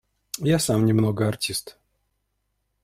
Я сам немного артист.